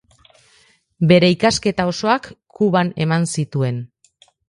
Bere ikasketa osoak Kuban eman zituen.